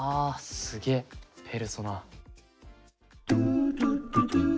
すげえペルソナ。